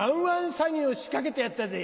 詐欺を仕掛けてやったぜ。